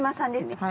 はい。